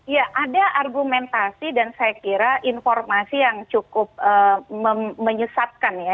ya ada argumentasi dan saya kira informasi yang cukup menyesatkan ya